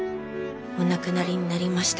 お亡くなりになりました。